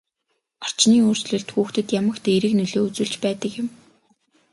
Орчны өөрчлөлт хүүхдэд ямагт эерэг нөлөө үзүүлж байдаг юм.